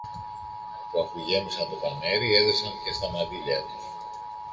που αφού γέμισαν το πανέρι, έδεσαν και στα μαντίλια τους.